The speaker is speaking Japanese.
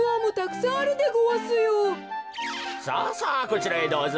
さあさあこちらへどうぞ。